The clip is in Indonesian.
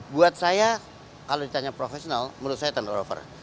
buat saya kalau ditanya profesional menurut saya tender offer